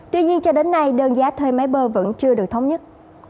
tuy nhiên cho đến nay đơn giá thuê máy bơ vẫn chưa được thống nhất